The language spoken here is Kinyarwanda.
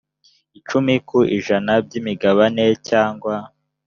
icumi ku ijana by imigabane cyangwa